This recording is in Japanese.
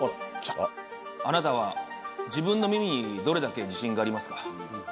あなたは自分の耳にどれだけ自信がありますか？